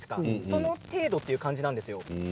その程度という感じなんですよ。